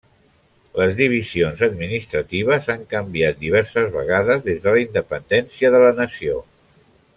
Les divisions administratives han canviat diverses vegades des de la independència de la nació.